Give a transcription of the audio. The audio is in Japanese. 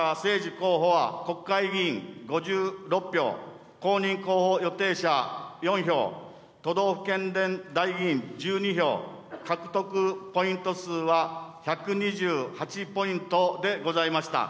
候補は国会議員５６票、公認候補予定者４票、都道府県連代議員１２票、獲得ポイント数は１２８ポイントでございました。